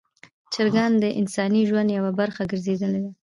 چرګان د انساني ژوند یوه برخه ګرځېدلي دي.